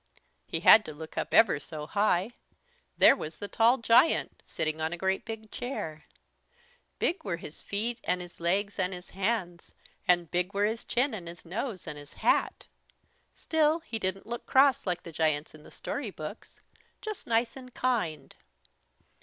He had to look up ever so high. There was the tall giant, sitting on a great big chair. Big were his feet and his legs and his hands, and big were his chin and his nose and his hat. Still he didn't look cross like the giants in the story books, just nice and kind.